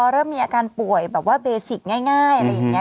เริ่มมีอาการป่วยแบบว่าเบสิกง่ายอะไรอย่างนี้